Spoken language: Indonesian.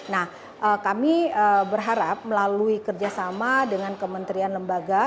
nah kami berharap melalui kerjasama dengan kementerian lembaga